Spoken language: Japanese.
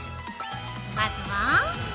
まずは◆